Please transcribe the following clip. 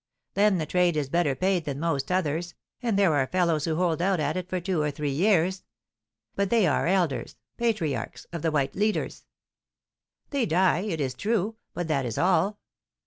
Then the trade is better paid than most others, and there are fellows who hold out at it for two or three years. But they are elders patriarchs of the white leaders. They die, it is true, but that is all."